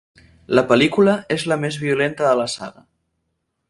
La pel·lícula és la més violenta de la saga.